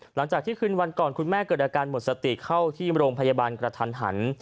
หลังจากที่คืนวันก่อนคุณแม่เกิดอาการหมดสติเข้าที่โรงพยาบาลกระทันหัน